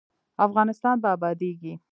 افغانستان به ابادیږي؟